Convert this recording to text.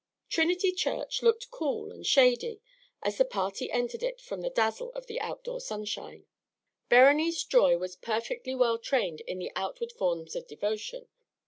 Trinity Church looked cool and shady, as the party entered it from the dazzle of the outer sunshine. Berenice Joy was perfectly well trained in the outward forms of devotion.